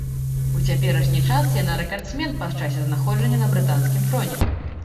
У цяперашні час яна рэкардсмен па часе знаходжання на брытанскім троне.